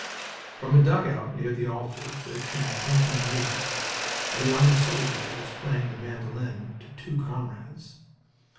From a dugout near the altar there came tinkling music. A young soldier was playing the mandolin to two comrades.